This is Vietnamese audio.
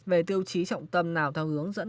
về tiêu chí trọng tâm nào theo hướng dẫn